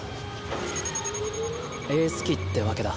エース機ってわけだ。